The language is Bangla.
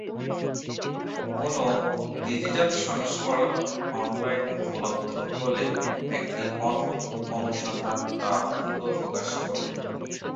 কোনও ডিজিটাল সংস্করণ অনলাইনে উপলব্ধ হলে একটি অনলাইন অনুসন্ধান তা দ্রুত প্রকাশ করবে।